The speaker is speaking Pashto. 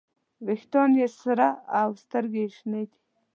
ویښتان یې سره او سترګې یې شنې دي.